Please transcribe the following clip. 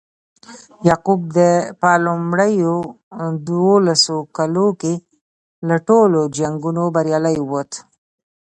یعقوب په لومړیو دولسو کالو کې له ټولو جنګونو بریالی ووت.